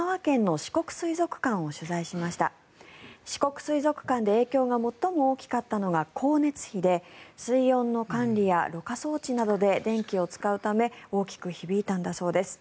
四国水族館で影響が最も大きかったのが光熱費で水温の管理やろ過装置などで電気を使うため大きく響いたんだそうです。